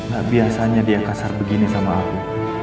gak biasanya dia kasar begini sama aku